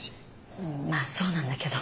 うんまあそうなんだけど。